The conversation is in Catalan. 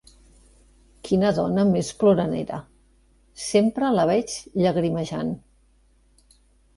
Quina dona més ploranera: sempre la veig llagrimejant.